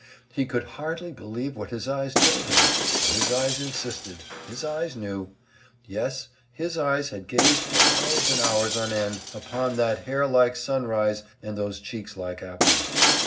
He could hardly believe what his eyes told him; but his eyes insisted, his eyes knew; yes, his eyes had gazed for hours and hours on end upon that hair like sunrise and those cheeks like apples.